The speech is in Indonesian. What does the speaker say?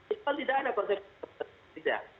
itu kan tidak ada konsep yang bisa